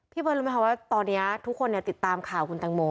พี่เบิร์นรู้ไหมครับว่าตอนนี้ทุกคนติดตามข่าวของคุณแตงโม